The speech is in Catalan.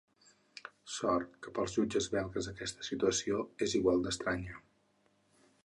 Sort que pels jutges belgues aquesta situació és igual d'estranya.